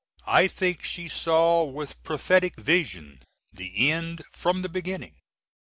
I think she saw with prophetic vision the end from the beginning.